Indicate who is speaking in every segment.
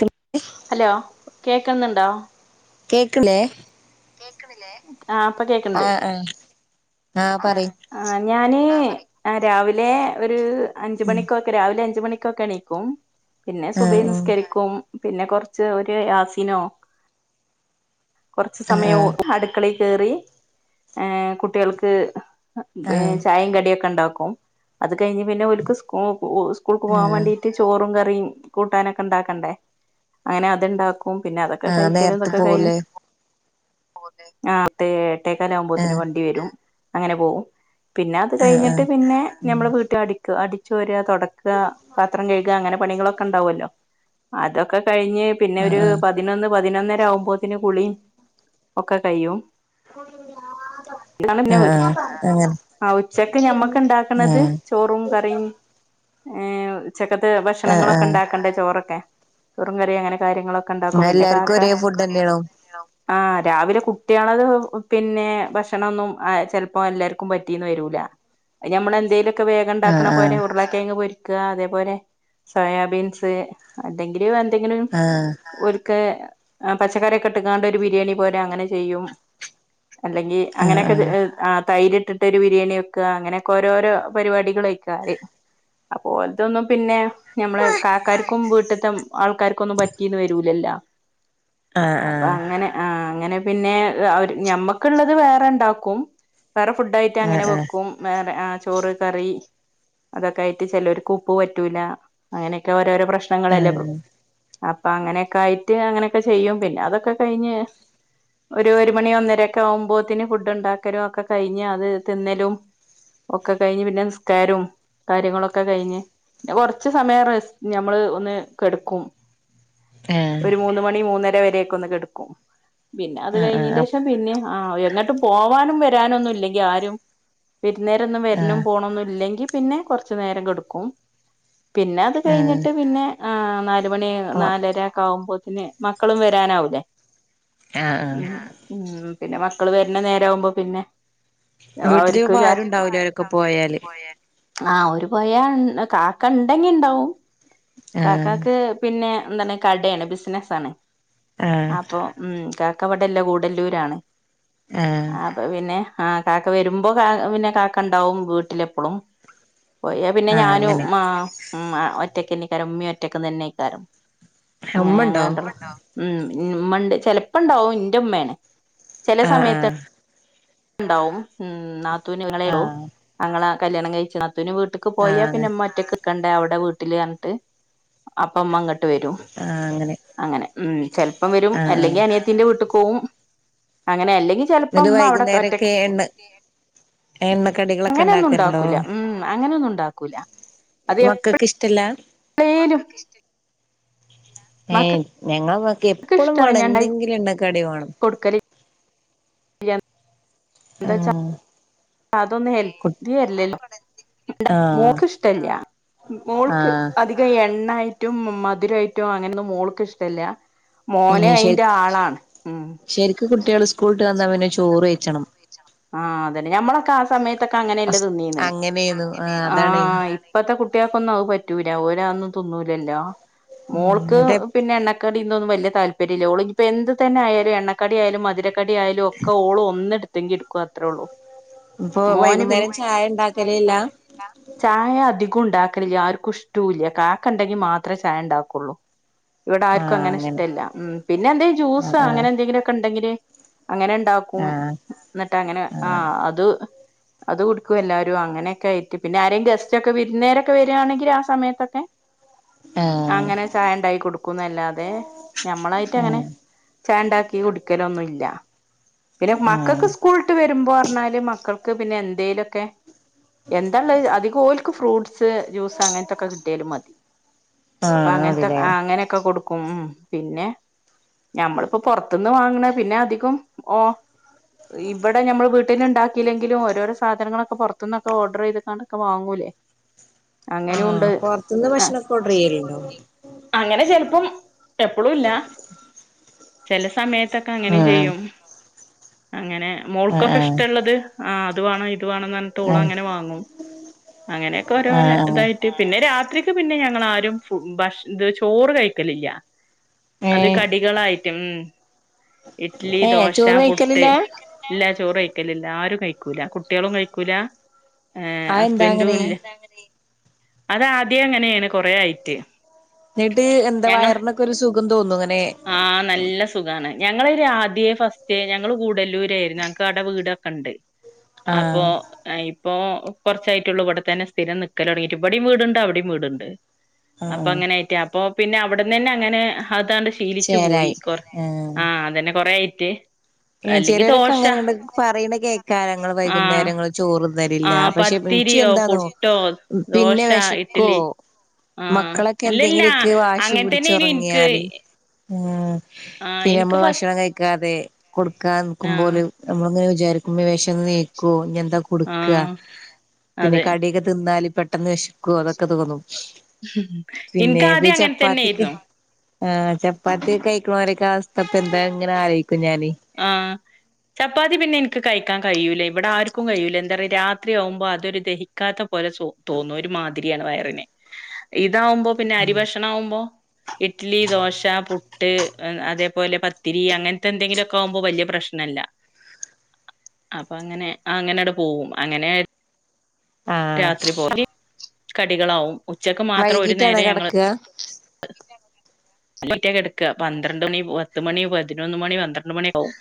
Speaker 1: ക്
Speaker 2: ഹലോ കേക്ക്ന്നുണ്ടോ?
Speaker 1: കേക്ക്ണ് ലേ?
Speaker 2: ആ ഇപ്പൊ കേക്ണ്ട്
Speaker 1: ആഹ് ആഹ് ആഹ് പറയ്
Speaker 2: ആ ഞാന് ആ് രാവിലെ ഒരു അഞ്ച്
Speaker 1: ഉം
Speaker 2: മണിക്കൊക്കെ രാവിലെ അഞ്ച് മണിക്കോക്കെണീക്കും. പിന്നെ
Speaker 1: ആഹ്
Speaker 2: സുബൈ
Speaker 1: ഉം
Speaker 2: നിസ്കരിക്കും. പിന്നെ കൊറച്ച് ഒരു യാസിനോ കൊറച്ച്
Speaker 1: ആഹ്
Speaker 2: സമയോ
Speaker 1: ആഹ്
Speaker 2: അടുക്ക കേറി കുട്ടികൾക്ക്
Speaker 1: ആഹ്
Speaker 2: ചായയും കടിയൊക്കെ ഉണ്ടാ ക്കും അത് കഴിഞ്ഞ് പിന്നെ ഓൽക്ക് സ്കൂൾക്ക് പോകാൻ
Speaker 1: ആഹ്
Speaker 2: വാണ്ടീട്ട് ചോറും കറി റിം കൂട്ടാനൊക്കെ ഇണ്ടാക്കണ്ടേ അങ്ങനെ അതിണ്ടാ ക്കും പിന്നെ അതൊക്കെ
Speaker 1: ആഹ്
Speaker 2: കയ്ക്കലും
Speaker 1: നേരത്തെ
Speaker 2: തൊക്കെ കയ്
Speaker 1: പോവുലേ
Speaker 2: ആ എട്ടേക്കാലാവുമ്പോത്തിന്
Speaker 1: ആഹ്
Speaker 2: വണ്ടി വെരും അങ്ങനെ പോവും. പിന്നെ അത്
Speaker 1: ആഹ് ആഹ്
Speaker 2: കഴിഞ്ഞിട്ട് പിന്നെ
Speaker 1: ഉം
Speaker 2: ഞമ്മള് വീട്ടില് അടിക്ക അടിച്ചേരാ തൊടക്ക പാത്രം കയ്ക അങ്ങനെ പണികളൊക്കെ ണ്ടാവുല്ലോ അതൊക്കെ കഴിഞ്ഞ് പിന്നെ
Speaker 1: ആഹ്
Speaker 2: ഒരു
Speaker 1: ആഹ്
Speaker 2: പതിനൊന്ന് പതിനൊന്നരാകുമ്പോത്തിന് കുളി ഒക്കെ കയ്യും
Speaker 1: ആ അങ്ങനെ
Speaker 2: ആ ഉച്ചക്ക് ഞമ്മക്ക് ണ്ടാക്ക്ണത്
Speaker 1: ആഹ്
Speaker 2: ചോറും കറിം. ഏ ഉച്ചക്കത്ത്
Speaker 1: ആഹ് ആഹ്
Speaker 2: ഭക്ഷണങ്ങളൊക്ക്ണ്ടാക്കണ്ടേ ചോറൊക്കെ ചോറുംകറി അങ്ങനെ കാര്യങ്ങളൊക്കെ ഇണ്ടാക്കും പിന്നെ
Speaker 1: എല്ലാർക്കും
Speaker 2: കാക്ക
Speaker 1: ഒരേ ഫുഡെന്നേണോ
Speaker 2: ആ രാവിലെ കുട്ട്യാളത് പിന്നെ ഭക്ഷണൊന്നും ചെലപ്പോ എല്ലാര്ക്കും പറ്റിന്ന് വരൂല. ഞമ്മളെന്തേങ്കിലൊക്കെ
Speaker 1: ആഹ്
Speaker 2: വേഗണ്ടാക്കണ പോലെ
Speaker 1: ആഹ്
Speaker 2: ഉരുളക്കേങ് പൊരി ക്ക അതേപോലെ സോയാബീൻസ് എന്തെങ്കിലും എന്തെങ്കിലും
Speaker 1: ആഹ്
Speaker 2: ഓ ൽക്ക് പച്ചക്കറിയൊക്കെ ഇട്ട്ങ്ങാണ്ട് ഒരു ബിരിയാണി പോലെ അങ്ങനെ ചെയ്യും. അല്ലെങ്കി അങ്ങനൊക്കെ തൈര് ഇട്ടിട്ടൊരു ബിരിയാണി വെക്ക അങ്ങനെക്കെ ഓരോരോ പരിപാടികളെക്ക അപ്പോ ഓൽതൊന്നും പിന്നെ ഞമ്മളെ കാക്കാർക്കും വീട്ട്ത്തെ ആൾക്കാർക്കൊന്നും പറ്റീന്ന് വരൂലല്ലോ.
Speaker 1: ആഹ് ആഹ്
Speaker 2: അപ്പോ
Speaker 1: ആഹ്
Speaker 2: അങ്ങനെ ആഹ് അങ്ങനെ പിന്നെ അവര് ഞമ്മക്ക്ള്ളത് വേറെ ണ്ടാക്കും. വേറെ ഫുഡായിട്ട് അങ്ങനെ
Speaker 1: ആഹ് ആഹ് ആഹ്
Speaker 2: വെക്കും വേറെ ചോറ്, കറി അതൊക്കായിട്ട് ചെലോര്ക്ക് ഉപ്പ് പറ്റൂല അങ്ങനെക്കെ ഓരോരോ പ്രശ്നങ്ങളല്ലേ അപ്പൊ അങ്ങനൊക്കായിട്ട് അങ്ങനൊക്കെ ചെയ്യും പിന്നെ അതൊക്കെ കഴിഞ്ഞ് ഒരു ഒരു മണി ഒന്നരക്കാവുമ്പോത്തിന് ഫുഡ് ണ്ടാക്കലും ഒക്കെ കഴിഞ്ഞ് അത് തിന്നലും ഒക്കെ കഴിഞ്ഞ് പിന്നെ നിസ്കാരവും കാര്യങ്ങളൊക്കെ കയ്ഞ്ഞ് പിന്നെ കൊർച്ച് സമയം റെ ഞമ്മള് ഒന്ന് കെട്ക്കും.
Speaker 1: ആഹ്
Speaker 2: ഒരു മൂന്ന് മണി മൂന്നര വരെക്കെ ഒന്ന് കെട്ക്കും. പിന്നെ അത്
Speaker 1: ആഹ് ആഹ് ആഹ് അപ്
Speaker 2: കഴിഞ്ഞേന്റെഷം പിന്നിം ആ എങ്ങോട്ട് പോവാനും വരാനൊന്നും ഇല്ലെങ്കി ആരും വിരുന്ന്കാരൊന്നും
Speaker 1: ആഹ്
Speaker 2: വര്ണും
Speaker 1: ആഹ്
Speaker 2: പോണൊന്നുല്ലെങ്കി പിന്നെ കൊറച്ച് നേരം കെട്ക്കും. പിന്നെ അത് കഴിഞ്ഞിട്ട് പിന്നെ ആ നാലുമണി നാലര ക്കെ ആകുമ്പോ പിന്നെ മക്കളും വരാനാവൂല്ലേ
Speaker 1: ആഹ് ആഹ്
Speaker 2: പിന്നെ മ ക്കള് വര്ണ നേരാകുമ്പോ പിന്നെ
Speaker 1: വീട്ടില്
Speaker 2: ഓര്ക്ക്
Speaker 1: ഇപ്പ
Speaker 2: ചായ
Speaker 1: ആരുണ്ടാവൂല അവരൊക്കെ പോയാല്
Speaker 2: ആ ഓര് പോയാ കാക്ക ണ്ടെങ്കി ണ്ടാവും
Speaker 1: ആഹ്
Speaker 2: കാക്കാക്ക് പിന്നെ എന്താണ് കടേണ് ബിസിനസ്സാണ്.
Speaker 1: ആ
Speaker 2: ഉം കാക്ക ഇവിടെല്ല ഗൂഡല്ലൂരാണ്
Speaker 1: ആഹ്
Speaker 2: അപ്പൊ പിന്നെ ആ കാക്ക വെരുമ്പോ പിന്നെ കാക്ക ണ്ടാവും വീട്ടിലെപ്പളും പോയാപിന്നെ
Speaker 1: ആഹ്
Speaker 2: ഞാനും
Speaker 1: അങ്ങനെ
Speaker 2: മ മ ഒറ്റക്കന്നെക്കാരം ഉമ്മേം ഒറ്റക്കന്നെക്കാരം. അങ്ങനെ ഞങ്ങള്
Speaker 1: ഉമ്മണ്ടോ
Speaker 2: രണ്ടാളും ഉമ്മ ണ്ട് ചെലപ്പോണ്ടാവും ന്റെ മ്മേണ്. ചെല സമയത്ത്
Speaker 1: ആഹ്
Speaker 2: ണ്ടാവും ഉം നാത്തൂന് [unintelligible]
Speaker 1: ആഹ്
Speaker 2: ആങ്ങള കല്യാണം കഴിച്ച് നാത്തൂന് വീട്ട്ക്ക് പോയാ
Speaker 1: ആഹ്
Speaker 2: പിന്നെ മ്മ ഒറ്റക്ക് നിൽക്കണ്ടേ അവിടെ. 'വീട്ടില് അങ്ങട്ട് അപ്പം അങ്ങ വരും
Speaker 1: ആഹ് അങ്ങനെ
Speaker 2: അങ്ങനെ ചെലപ്പം വരും
Speaker 1: ആഹ് ആഹ്
Speaker 2: അല്ലെങ്കിഅനിയത്തിയുടെ വീട്ടിക്ക് പോവും അങ്ങനെ അല്ലെങ്കിൽ ചിലപ്പം
Speaker 1: എന്നിട്ട്
Speaker 2: ഉമ്മ അവിടെ
Speaker 1: വൈകുന്നേരൊക്കെ
Speaker 2: ഒറ്റക്ക്
Speaker 1: എണ്ണ എണ്ണക്കടികളൊക്കെ
Speaker 2: അങ്ങനെയൊന്നും
Speaker 1: ഉണ്ടാക്കലുണ്ടോ
Speaker 2: ഉണ്ടാക്കൂല, ഉം അങ്ങനെയൊന്നും ഉണ്ടാക്കൂലഅത് എപ്പ
Speaker 1: മക്കൾക്ക് ഇഷ്ടല്ല
Speaker 2: ളേലും
Speaker 1: ഏഞങ്ങളെ ഉമ്മാക്ക് എപ്പോഴും വേണം എന്തെങ്കിലും എണ്ണക്കടി വേണം
Speaker 2: കൊടുക്കല് എന്താച്ചാ
Speaker 1: ആഹ്
Speaker 2: അതൊന്നും
Speaker 1: കു
Speaker 2: ഹെൽത്തി അല്ലല്ലോ
Speaker 1: ആഹ്
Speaker 2: മോൾക്ക് ഇഷ്ടല്യാ മോൾക്ക്
Speaker 1: ആഹ്
Speaker 2: അധികം എണ്ണായി ട്ടുംമധുരമായിട്ടും അങ്ങനൊന്നും മോൾക്ക് ഇഷ്ടല്ല
Speaker 1: ഉം
Speaker 2: മോന്
Speaker 1: ശരി
Speaker 2: അയിന്റെ ആളാണ് ഉം
Speaker 1: ശരിക്ക് കുട്ടികള് സ്കൂളിട്ട് വന്നാ പിന്നെ ചോറ് കഴിച്ചണം
Speaker 2: ആഅതന്നെ ഞമ്മളെ ക്കാ സമയത്തൊക്കെ അങ്ങനെയല്ലേ
Speaker 1: അസ്
Speaker 2: തിന്നി ന്നെ
Speaker 1: അങ്ങനെയെന്നു ആഹ്
Speaker 2: ആ
Speaker 1: അതാണ്
Speaker 2: ഇപ്പത്തെ കുട്ടികൾക്കൊന്നും അത് പ റ്റൂല. ഓല് അതൊന്നും തിന്നൂല്ലോമോൾക്ക്
Speaker 1: എന്നിട്ട്
Speaker 2: പിന്നെ എണ്ണ കടിയൊന്നും വലിയ താല്പര്യമില്ല ഓള് ഇപ്പൊ എന്ത് തന്നെ ആയാലും, എണ്ണക്കടി ആയാലും മധുര കടി ആയാലും ഒക്കെ ഓള് ഒന്നെടുത്തെങ്കിൽ എടുക്കും അത്രേ ഉള്ളൂ മോന്പിന്നെ വൈകുന്നേരം ചായ ഉണ്ടാക്കലില്ല ചായ അധികം ഉണ്ടാക്കലില്ല ആർക്കും ഇഷ്ടവും ഇല്ലകാക്ക ഉണ്ടെങ്കിൽ മാത്രമേ ചായ ഉണ്ടാക്കുള്ളൂ ഇവിടെ ആർക്കും അങ്ങനെ ഇഷ്ടമല്ല ഉം പിന്നെ എന്തെങ്കിലും
Speaker 1: ആഹ്
Speaker 2: ജ്യൂസ്
Speaker 1: ആഹ്
Speaker 2: അങ്ങനെ എന്തെങ്കിലും ഒക്കെ ഉണ്ടെങ്കില് അങ്ങനെ ഉണ്ടാക്കും
Speaker 1: ആഹ്
Speaker 2: എന്നിട്ട് അങ്ങനെ ആ അത് അത് കൊടുക്കും എല്ലാവരും അങ്ങനെയൊക്കെ ആയിട്ട് പിന്നെ ആരെയും ഗസ്റ്റ് ഒക്കെ വിരുന്നേരൊക്കെ വരിവാണെങ്കിൽ ആ സമയത്തൊക്കെ
Speaker 1: ആഹ് ആഹ്
Speaker 2: അങ്ങനെ ചായ ഇണ്ടായി കൊടുക്കുന്നല്ലാതെ ഞമ്മളായിട്ട് അങ്ങനെ
Speaker 1: ആഹ്
Speaker 2: ചാണ്ടാക്കി കുടിക്കലൊന്നുല്ല. പിന്നെ മക്കൾക്ക്
Speaker 1: ആഹ്
Speaker 2: സ്കൂളിട്ട് വരുമ്പോ പറഞ്ഞാല് മക്കൾക്ക് പിന്നെ എന്തേലുംക്കെ. എന്താ ഉള്ളത് അധികം ഓലക്ക് ഫ്രൂട്ടസ് ജ്യൂസ് അങ്ങനത്തൊക്കെ കിട്ടിയാലും മതി. അപ്പൊ
Speaker 1: ആഹ്
Speaker 2: അങ്ങനത്തെ
Speaker 1: അതിലേ
Speaker 2: അങ്ങനെയൊക്കെ കൊടുക്കും ഉം പിന്നെ ഞമ്മളിപ്പോപുറത്തുന്ന് വാങ്ണ പിന്നെ അധികം ഓ ഇവിടെ ഞമ്മൾ വീട്ടിൽ ഉണ്ടാക്കി ക്കില്ലെങ്കിലും ഓരോരോ സാധനങ്ങളൊക്കെ പുറത്ത് നിന്നൊക്കെ ഓർഡർ ചെയ്താണ്ടൊക്കെ വാങ്ങൂലേ അങ്ങനെയുണ്ട്
Speaker 1: ആഹ് പൊറത്തുന്ന്
Speaker 2: ആ
Speaker 1: ഭക്ഷണൊക്കെ ഓർഡർ ചെയ്യലുണ്ടോ
Speaker 2: അങ്ങനെ ചെലപ്പം എപ്പഴും ഇല്ല ചില സമയത്തൊക്കെ അങ്ങനും
Speaker 1: ആഹ്
Speaker 2: ചെയ്യും അങ്ങനെ
Speaker 1: ആഹ്
Speaker 2: മോൾക്കൊക്കെ
Speaker 1: ആഹ്
Speaker 2: ഇഷ്ടമുള്ളത് ആ അതുവാണ ഇത് വേണ പറഞ്ഞിട്ടോള്
Speaker 1: ആഹ്
Speaker 2: അങ്ങനെ വാങ്ങും അങ്ങനെയൊക്കെ ഓരോ
Speaker 1: ആഹ് ആഹ്
Speaker 2: ഇതായിട്ട് പിന്നെ രാത് ത്രിക്ക് പിന്നെ ഞങ്ങള് ആരും ഭക്ഷ ഇത് ചോറ് കഴിക്കലില്ല അത്
Speaker 1: ഏഹ്
Speaker 2: കടികളായിട്ടും ഉ ഇഡ്ലി
Speaker 1: ഏഹ്
Speaker 2: ദോശ
Speaker 1: ചോറ്
Speaker 2: പുട്ട്
Speaker 1: കഴിക്കലില്ല
Speaker 2: ഇല്ല ചോറ് വഴിക്കലില്ല ആരും കഴിക്കൂല കുട്ടികളും കഴിക്കൂല
Speaker 1: അതെന്താ
Speaker 2: ഹസ്ബന്റും
Speaker 1: അങ്ങനെ
Speaker 2: ഇല്ല ആതെന്താ അങ്ങനെ അത്അദ്യം അങ്ങനെയാണ് കൊറെ ആയിട്ട്
Speaker 1: എന്നിട്ട് എന്താ വയറിനൊക്കെ ഒരു സുഖം തോന്നുഅങ്ങനെ
Speaker 2: ആ നല്ല സുഖാണ് ഞങ്ങളൊരുആദ്യെ ഫസ്റ്റ് ഞങ്ങള് കൂടല്ലൂര്ആരുന്നു ഞങ്ങക്ക് അവിടെ വീടൊക്കെ ഉണ്ട് അപ്പൊ
Speaker 1: ആഹ്
Speaker 2: ഇപ്പൊ കുറച്ചായിട്ടുള്ളൂ ഇവിടെ തന്നെ സ്ഥിരം നിക്കക്കല തുടങ്ങിട്ട് ഇവിടെയും വീടുണ്ട് അവിടെയും വീടുണ്ട് അപ്പൊ
Speaker 1: ആഹ്
Speaker 2: അങ്ങനൊയിട്ടാ അപ്പൊ പിന്നെ അവിടന്ന് തന്നെ അങ്ങനെ അതാണ്ട് ശീലിച്ചു പോയി
Speaker 1: ചേലായി
Speaker 2: കൊ ആ അതന്നെ കൊറേ ആയിട്ട് അല്ലെങ്കി
Speaker 1: ചിലരൊക്കെ
Speaker 2: ദോശ
Speaker 1: അങ്ങനെ പറയണേ കേൾക്കാം ഞങ്ങൾ
Speaker 2: ആഹ്
Speaker 1: വൈകുന്നേരങ്ങളിൽ ചോറ് തിന്നില്ല
Speaker 2: ആഹ്
Speaker 1: പക്ഷേ മിച്ചി
Speaker 2: പത്തിരിയോ
Speaker 1: എന്താന്നോ
Speaker 2: പുട്ടോ
Speaker 1: പിന്നെ
Speaker 2: ദോശ
Speaker 1: വിശക്കോ
Speaker 2: ഇഡ്ഡലി ആഹ്
Speaker 1: മക്കളൊക്കെ
Speaker 2: ഇല്ലല്ല
Speaker 1: എന്തെങ്കിലുമൊക്കെ വാശി പിടിച്ച
Speaker 2: അങ്ങൻത്തന്നേനു ഇൻക്ക്
Speaker 1: ഉറങ്ങിയാല് ഉം
Speaker 2: ആഹ്
Speaker 1: പിന്നെ
Speaker 2: ഇനിക്ക്
Speaker 1: നമ്മള്
Speaker 2: ഫസ്
Speaker 1: ഭക്ഷണം കഴിക്കാതെ കൊടുക്കാതെ നിക്കുമ്പോ
Speaker 2: ആഹ്
Speaker 1: ഓല് നമ്മളങ്ങനെ വിചാരിക്കും വേഷ ന്ന് നികോ. ന്താ കൊട്ക്കാ
Speaker 2: ആഹ്
Speaker 1: പിന്നെ
Speaker 2: അതെ
Speaker 1: കടിയൊക്കെ തിന്നാൽ പെട്ടെന്ന് വെശ കോ അതൊക്കെ തോന്നും. പിന്നെ ബി
Speaker 2: ഇൻക്കാദ്യം
Speaker 1: ചപ്പാത്തിക്ക്.
Speaker 2: അങ്ങൻത്തന്നേര്ന്നു
Speaker 1: ആ ചപ്പാത്തി കഴിക്ക്‌ണോരെക്കെ അവസ്ഥ ഇപ്പ എന്താ ഇങ്ങനെ ആലോയിക്കും ഞാന്.
Speaker 2: ആ ചപ്പാത്തി പിന്നെ എനിക്ക് കഴിക്കാൻ കഴിയൂല ഇവിടെ ആർക്കും കഴിയൂല എന്താറിയ രാത്രി ആവുമ്പോൾ അതൊരു ദഹിക്കാത്ത. പോലെ സോ തോന്നുഒരു മാതിരിയാണ് വയറിന് ഇതാവുമ്പോ പിന്നെ അരി ഭക്ഷണം ആവുമ്പോ. ഇഡ്ലി ദോശ പുട്ട് അതേപോലെ പത്തിരി അങ്ങന്‌ത്തെ എന്തെങ്കിലും. ഒക്ക ആവുമ്പോ വല്യയ പ്രശ്നല്ല. അപ്പൊ അങ്ങനെ അങ്ങനെ ട്ട് പോവും അങ്ങനെ.
Speaker 1: ആഹ്
Speaker 2: രാത്രി പോലി കടികളാവും. ഉച്ചക്ക് മാത്രം ഒര്
Speaker 1: വൈകീട്ടാണോ
Speaker 2: നേരം ഞങ്ങള്
Speaker 1: കെടക്കാ
Speaker 2: [unintelligible] ഒറ്റെ കട്ക്കാപന്ത്രണ്ട് മണി പത്ത് മണി പതിനൊന്ന് മണി പന്ത്രണ്ട് മണി ആവും.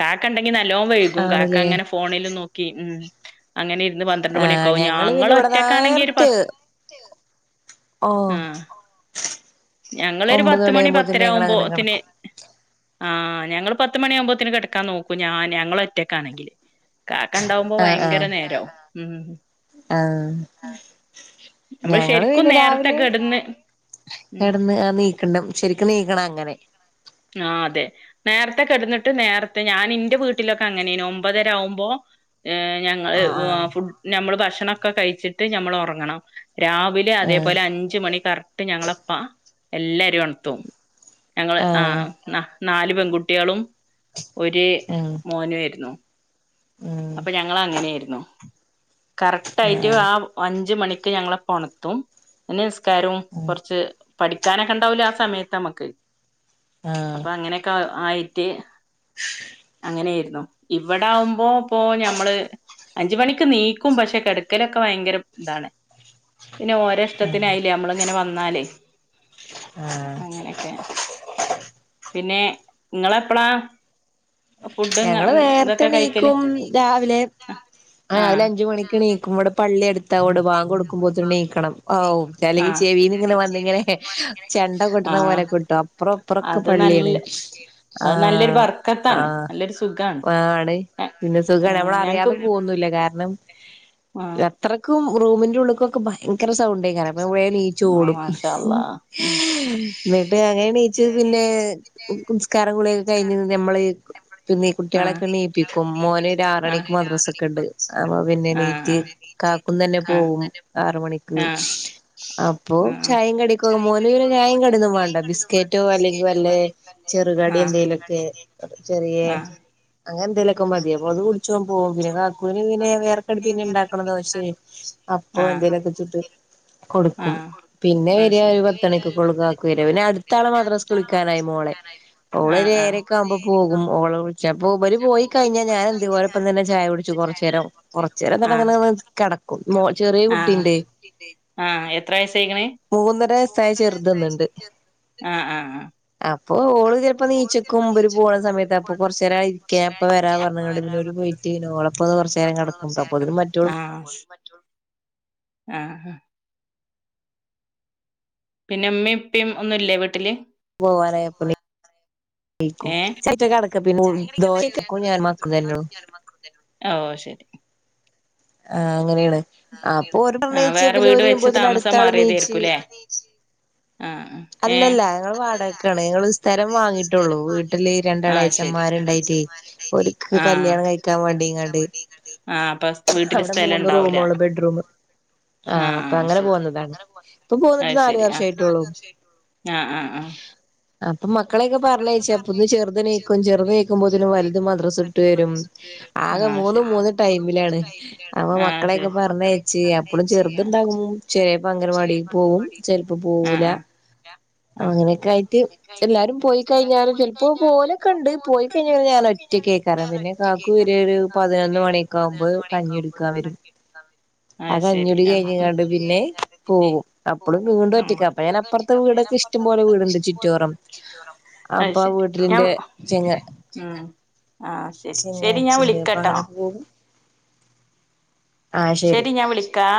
Speaker 2: കാക്ക ണ്ടെങ്കി നല്ലോം വൈകും കാക്ക
Speaker 1: ആണ്ല്ലേ
Speaker 2: അങ്ങനെ ഫോണിൽ നോക്കി ഉം അങ്ങനെ ഇരുന്ന് പന്ത്രണ്ട് മണി
Speaker 1: ആഹ്
Speaker 2: ക്കാവും
Speaker 1: ഞങ്ങള് പിന്നെ ഇവിടെ
Speaker 2: ഞങ്ങള്ഒറ്റക്കാണെങ്കി ഒരു പത്ത്
Speaker 1: ഓ
Speaker 2: ആഹ് ഞങ്ങളൊരു പത്ത് മണി പത്തര
Speaker 1: ഞങ്ങളങ്ങനെ
Speaker 2: ആവുമ്പോത്തിന്
Speaker 1: കെടക്കും
Speaker 2: ആ. ഞങ്ങള്പത്ത് മണിയാകുമ്പോത്തിന് കിടക്കാൻ നോക്കുംഞാ ഞങ്ങള് ഒറ്റക്കാണെങ്കില്. കാക്ക ഉണ്ടാവുമ്പോ ഭയങ്കര നേരാവും ഉം.
Speaker 1: ആ
Speaker 2: നമ്മള്
Speaker 1: ഞങ്ങള്
Speaker 2: ശരിക്കും
Speaker 1: പിന്നെ
Speaker 2: നേരത്തെ
Speaker 1: രാവിലെ
Speaker 2: കെടന്ന് ഉം
Speaker 1: കെടന്ന് ആ നീക്കണ്ട ശരിക്ക്നീക്കണം അങ്ങനെ
Speaker 2: ആഹ് അതെ നേരത്തെ കിടന്നിട്ട് നേരത്തെ ഞാൻ ഇന്റെ വീട്ടിലൊക്കെ അങ്ങനെ നു ഒമ്പതര ആവുമ്പോ ഏ ഞങ്ങള്
Speaker 1: ആഹ്
Speaker 2: ഫുഡ് ഞമ്മള് ഭക്ഷണംക്കെ കഴിച്ചിട്ട് ഞമ്മള് ഉറങ്ങണം രാവിലെ
Speaker 1: ആഹ്
Speaker 2: അതേപോലെ അഞ്ച മണി കറക്റ്റ് ഞങ്ങളപ്പ എല്ലാരീം ഒണ്ത്തും ഞങ്ങള് ആ
Speaker 1: ആഹ്
Speaker 2: നാല് പെൺകുട്ട്യോളും ഒരു
Speaker 1: ആഹ്
Speaker 2: മോന യിരുന്നു
Speaker 1: ഉം
Speaker 2: അപ്പൊ ഞങ്ങള്അങ്ങനെയിരുന്നു കറക്റ്റ്
Speaker 1: ഉം
Speaker 2: ആയിട്ട്
Speaker 1: ആഹ്
Speaker 2: ആ അഞ്ച് മണിക്ക് ഞങ്ങളെപ്പണത്തും നി ക്കാരും
Speaker 1: ഉം
Speaker 2: കുറച്ച് പഠിക്കാനൊക്കെ ണ്ടാവൂലേ ആ സമയത്ത് നമക്ക്
Speaker 1: ആഹ്
Speaker 2: അപ്പൊ അങ്ങനെക്കെ ആയിട്ട് അങ്ങനെയിരുന്നുഇവിടെകുമ്പോ പ്പോ ഞമ്മള് അഞ്ച്മണിക്ക് നീ ക്കും പക്ഷെ കിടക്കലൊക്കെ ഭയങ്കര ഇതാണ് പിന്നെ ഓരെ
Speaker 1: ആഹ്
Speaker 2: ഇഷ്ടത്തിനായി ലെ നമ്മള് ഇങ്ങനെ വ ന്നാല്
Speaker 1: ആഹ്
Speaker 2: അങ്ങനെക്കെ പിന്നെ ഇങ്ങള് എപ്പളാ
Speaker 1: ഞങ്ങള് നേര്ത്തെണീക്കും രാവിലെ രാവിലെ
Speaker 2: ആഹ്
Speaker 1: അഞ്ച് മണി ക്ക്ണീക്കും ഇവടെ പള്ളി ട് ത്താ അ ഓണ്ട്ബാങ്ക് കൊടുക്കുമ്പോത്തിന് നീക്കണം ഔ അല്ലെങ്കി
Speaker 2: ആഹ്
Speaker 1: ചെവീന്ന് ങ്ങനെ വന്നിങ്ങനെ ചെണ്ട കൊട്ട്
Speaker 2: ആഹ്
Speaker 1: ണപോലക്കെ കൊട്ടും അപ്പറം ഇപ്പൊറൊക്കെ
Speaker 2: അത്
Speaker 1: പള്ളിയാണ്
Speaker 2: നല്ല
Speaker 1: ആ
Speaker 2: അത് നല്ലൊരു
Speaker 1: ആ
Speaker 2: ബർക്കത്താണ് നല്ലൊരു സുഖാണ്
Speaker 1: ആണ് പിന്നെ സുഖാണ്
Speaker 2: ആഹ്
Speaker 1: നമ്മള്
Speaker 2: ഞങ്ങക്ക്
Speaker 1: അറിയാതെ പൊവന്നുല്ല കാരണം
Speaker 2: ആഹ്
Speaker 1: അത്രക്കും റൂമിന്റെ ഉള്ള് ക്കൊ ക്കെ ഭയ ങ്കര സൗണ്ടേക്കാരം അപ്പ വേ നീച്ച്
Speaker 2: ആഹ്
Speaker 1: ഓടും
Speaker 2: മാഷാ അള്ളാ ഉം
Speaker 1: ന്നട്ട് അങ്ങനെണീച്ച് പിന്നെ നിസ്കാരം കൂളിയൊക്കെ കഴിഞ്ഞ് നമ്മള് പിന്നീ കുട്ടിയോ ളൊക്കെ
Speaker 2: പിന്നെ
Speaker 1: നീണപ്പിക്കും മോന് ര് ആറണിക്ക് മദ്രാസൊക്കെണ്ട് അപ്പ പിന്നെ ണീറ്റ് കാക്കുംതന്നെ പോവും ആറ് മണിക്ക്
Speaker 2: ആ
Speaker 1: അപ്പൊ ചായും കടിക്കെ മോന് പിന്നെ ചായും കടിന്നും വേണ്ട ബിസ്ക്കറ്റോ അല്ലെങ്കി വല്ലെ ചെറുകടി
Speaker 2: ആഹ്
Speaker 1: എന്തെലൊക്കെ ചെറിയ അങ്ങനെന്തേലുക്കെ മതി അപ്പൊ അത് കുടിച്ചോ ഓൻ പോകും പിന്നെ കാക്കുന് പിന്നെ വേറെ ക്കടി പിന്നെ ഇണ്ടാക്കണം ദോശിം അപ്പൊ
Speaker 2: ആഹ് ആഹ്
Speaker 1: എന്തേലൊക്കെ ചുട്ട് കൊട്ക്കും
Speaker 2: ആഹ്
Speaker 1: പിന്നെ
Speaker 2: അത്
Speaker 1: വരാ
Speaker 2: ശരി
Speaker 1: ഒരു പത്ത്ണിക്കൊക്കൊള്ളു കാകു വരാ പിന്നെ അടുത്താളെ മദ്രാസ് വിളിക്കാനായി മോളെ മോള്
Speaker 2: ആഹ് ആഹ്
Speaker 1: ഏഴരക്കാ ഇപ്പ പോകും ഓളേ വിളിച്ച പ്പോഇവര്പോയി കഴിഞ്ഞാൽ ഞാൻ ഇതു പോലപ്പ തന്നെ ചായ കുടിച്ചു കൊറച്ച നേരം കൊറച്ച്- ഇങ്ങനെ
Speaker 2: ആഹ്
Speaker 1: തന്നെങ്ങ് കിടക്കും മോ ചെറിയ
Speaker 2: ആഹ്
Speaker 1: കുട്ടിണ്ട്-
Speaker 2: ആഹ് എത്ര വയസ്സയിക്കണ്.
Speaker 1: വയസ്സായ
Speaker 2: മൂന്നര വയസയി.
Speaker 1: ചെറുതൊന്നുണ്ട്
Speaker 2: ആ ആ ആ-
Speaker 1: അപ്പ ഓള് ഇപ്പ നീച്ച-
Speaker 2: [inaudible] [unintelligible] [unintelligible]
Speaker 1: അപ്പ വരാ പറഞ്ഞ്ങ്ങാണ്ട് പിന്നെ ഓര് പോയി ട്ട് ഓളൊപ്പം കൊറച്ചേരം കെടക്കും അപ്പോത്തിന് മറ്റോള്
Speaker 2: ആഹ് [unintelligible] ആഹ് പിന്നെ ഇമ്മയും ഇപ്പയും ഒന്നും ഇല്ലേ വീട്ടില്-
Speaker 1: പോ വറെ എപ്പണീ
Speaker 2: ഏ
Speaker 1: [unintelligible] [unintelligible] [inaudible]
Speaker 2: ആ ഓആ ശരി-
Speaker 1: ആഹ് അങ്ങനെയാണ്- അപ്പൊ ഓര്
Speaker 2: ആ
Speaker 1: പറഞ്ഞയച്ച്
Speaker 2: വേറെ
Speaker 1: പിന്നെ
Speaker 2: വീട്
Speaker 1: ഓര്
Speaker 2: വെച്ച്
Speaker 1: വരുമ്പോത്തിന്
Speaker 2: താമസം
Speaker 1: അടുത്ത ആള്
Speaker 2: മാറിയത്
Speaker 1: നീച്ച്
Speaker 2: ആയിരിക്കൂല്ലേ- ആഹ് ആ- ഏ
Speaker 1: അല്ലല്ല ഞങ്ങള് വാടകക്കാണ് ഞങ്ങള് സ്ഥലം വാങ്ങീട്ടുള്ളു വീട്ടില്
Speaker 2: ആഹ് ശരി
Speaker 1: രണ്ടളയച്ചന്മാർണ്ടായിട്ടേ- ഓരക്ക്
Speaker 2: ആഹ്
Speaker 1: കല്യാണം കഴിക്കാൻ വേണ്ടിങ്ങാണ്ട്
Speaker 2: ആഹ് അപ്പൊ വീട്ടില്
Speaker 1: അവിടെ
Speaker 2: സ്ഥലം
Speaker 1: മൂന്ന്
Speaker 2: ഉണ്ടാവൂല
Speaker 1: റൂമൊള്ളൂ- ബെഡ്റൂ ആ അപ്പൊ
Speaker 2: ആഹ്
Speaker 1: അങ്ങനെ
Speaker 2: ശരി
Speaker 1: പോന്നതാണ് ഇപ്പൊ പോന്നിട്ട്
Speaker 2: അത്
Speaker 1: നാല്
Speaker 2: ശരി
Speaker 1: വർഷ
Speaker 2: ആ
Speaker 1: ആയിട്ടുള്ളൂ-
Speaker 2: ആ ആഹ് ആഹ്-
Speaker 1: അപ്പൊ മക്കളെയൊക്കെ പറഞ്ഞയച്ച അപ്പൊ ക് ചെറു നീക്കും ചെറു നീക്കുമ്പോന് വലുത് മദ്രസ ഇട്ട് വരും-
Speaker 2: ആ
Speaker 1: ആകെ
Speaker 2: ആ
Speaker 1: മൂന്നും
Speaker 2: ശരി
Speaker 1: മൂന്നും ടൈമിലാണ് അപ്പ
Speaker 2: ആഹ്
Speaker 1: മക്കളെയൊക്കെ
Speaker 2: ശരി
Speaker 1: പറഞ്ഞയച്ച് അപ്പളും ചെറുതുണ്ടാകും- ചെയപ്പോ അംഗനവാടിൽ പോവും ചെയപ്പോ
Speaker 2: ആ ആ
Speaker 1: പോവൂല-
Speaker 2: ആ
Speaker 1: അങ്ങനൊക്കെ ആയിട്ട് എല്ലാരും- പോയിക്കഴിഞ്ഞാലും ചിലപ്പോ പോനൊക്കൊണ്ട് പോയിക്കഴിഞ്ഞാല് ഞാനൊറ്റ കേക്കാറും പിന്നെ കാക്കു വര് ഒരു-
Speaker 2: കാക്കു വര
Speaker 1: പതിനൊന്ന്
Speaker 2: ഒരു
Speaker 1: മണിയൊക്കെ ആകുമ്പോ
Speaker 2: പതിനൊന്ന് മണിയക്കാമ്പൊ കഞ്ഞികുടിക്കാൻ വരും-
Speaker 1: അകഞ്ഞൂടി കഴിഞ്ഞിങ്ങാണ്ട് പിന്നെ പോവും അപ്പഴും വീണ്ടും ഒറ്റക്ക അപ്പ ഞാൻ അപ്പറത്തെ വീടൊക്കെ- ഇഷ്ടംപോലെ വീടുണ്ട് ചുറ്റുവോറം-
Speaker 2: അത് ശരി ഞാൻ
Speaker 1: ചെങ്ങ
Speaker 2: ഉം- ആഹ് ശരി ശരി ഞാൻ
Speaker 1: ചെങ്ങായിച്ചിണ്ട് അപ്പൊ
Speaker 2: വിളിക്കാട്ടോ-
Speaker 1: അങ്ങനെ പോകും
Speaker 2: ശരി ഞാൻ വിളിക്കാ-